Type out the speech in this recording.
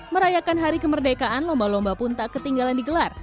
merayakan hari kemerdekaan lomba lomba pun tak ketinggalan digelar